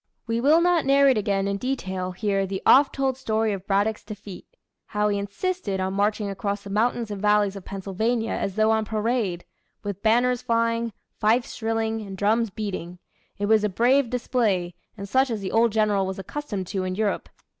We will not narrate again in detail here the oft told story of Braddock's Defeat how he insisted on marching across the mountains and valleys of Pennsylvania, as though on parade with banners flying, fifes shrilling, and drums beating. It was a brave display, and such as the old General was accustomed to, in Europe.